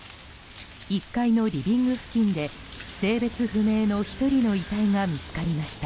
１階のリビング付近で性別不明の１人の遺体が見つかりました。